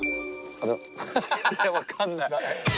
分かんない。